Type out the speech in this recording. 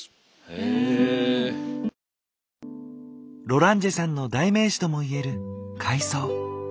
ロランジェさんの代名詞とも言える「海藻」。